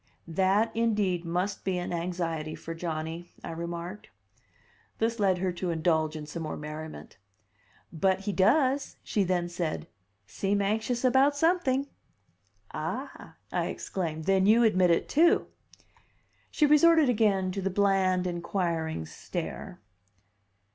"That, indeed, must be an anxiety for Johnny," I remarked. This led her to indulge in some more merriment. "But he does," she then said, "seem anxious about something." "Ah," I exclaimed. "Then you admit it, too!" She resorted again to the bland, inquiring stare.